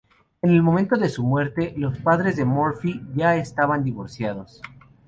En el momento de su muerte, los padres de Murphy ya estaban divorciados.